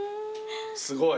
すごい。